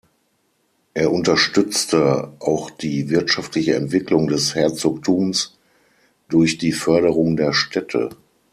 Er unterstützte auch die wirtschaftliche Entwicklung des Herzogtums durch die Förderung der Städte.